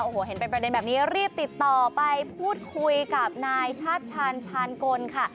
โอ้โหเห็นเป็นประเด็นแบบนี้รีบติดต่อไปพูดคุยกับนายชาติชาญชาญกลค่ะ